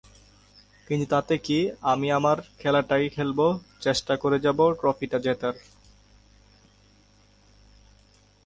কিন্তু তাতে কী, আমি আমার খেলাটাই খেলব, চেষ্টা করে যাব ট্রফিটা জেতার।